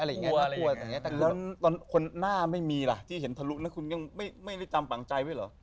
แล้วตอนคนหน้าไม่มีล่ะที่เห็นทะลุนะคุณยังไม่ได้จำฝังใจไว้เหรอ